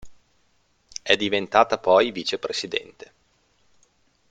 È diventata poi vicepresidente.